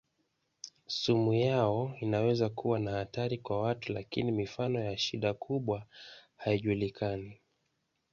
Sumu yao inaweza kuwa na hatari kwa watu lakini mifano ya shida kubwa haijulikani.